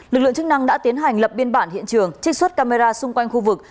lực lượng chức năng đã tiến hành lập biên bản hiện trường trích xuất camera xung quanh khu vực